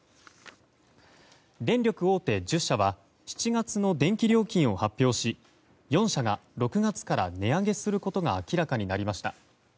電力大手１０社は７月の電気料金を発表し４社が６月から値上げすることが明らかになりました。